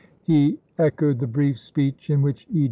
He echoed the brief speech in which E.